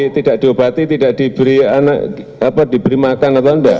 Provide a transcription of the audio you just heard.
tidak diobati tidak diberi anak diberi makan atau enggak